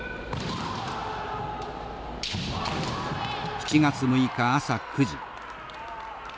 ７月６日朝９時。